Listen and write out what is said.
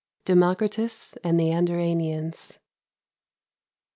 DEMOCRITUS AND THE ABDERANIANS.